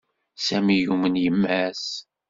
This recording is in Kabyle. Sami yumen yemma-s.